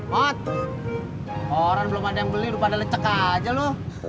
pat orang belum ada yang beli lupa ada lecek aja loh